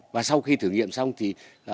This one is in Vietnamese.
và sau khi thử nghiệm xong thì